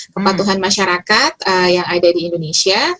kepatuhan masyarakat yang ada di indonesia